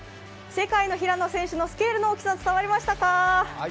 世界の平野選手のスケールの大きさは伝わりましたか？